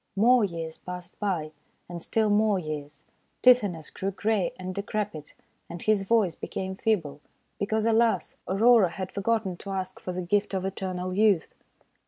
More years passed by, and still more years. Tithonus grew grey and decrepit, and his voice became feeble, because — alas !— Aurora had forgotten to ask for the gift of Eternal Youth.